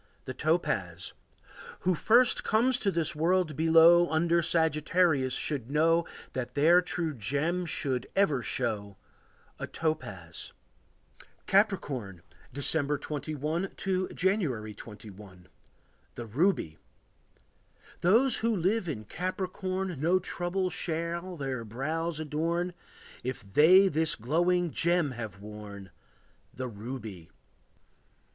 The Topaz. Who first comes to this world below Under Sagittarius should know That their true gem should ever show A topaz. Capricorn. December 21 to January 21. The Ruby. Those who live in Capricorn No trouble shall their brows adorn If they this glowing gem have worn, The ruby.